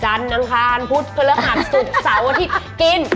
จันทร์น้ำทานพุทธเครือหาดศุกร์เสาร์อาทิตย์